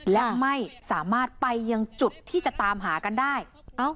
และไม่สามารถไปยังจุดที่จะตามหากันได้